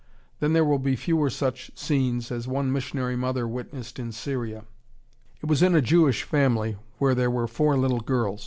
Then there will be fewer such scenes as one missionary mother witnessed in Syria. It was in a Jewish family where there were four little girls.